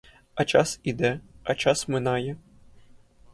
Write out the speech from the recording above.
А час іде, а час минає.